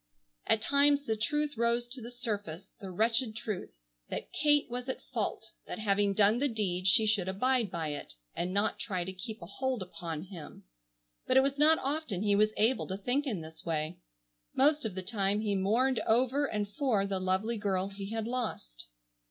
At times the truth rose to the surface, the wretched truth, that Kate was at fault, that having done the deed she should abide by it, and not try to keep a hold upon him, but it was not often he was able to think in this way. Most of the time he mourned over and for the lovely girl he had lost.